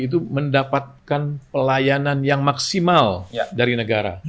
itu mendapatkan pelayanan yang maksimal dari negara